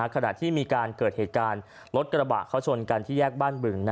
ขณะที่มีการเกิดเหตุการณ์รถกระบะเขาชนกันที่แยกบ้านบึง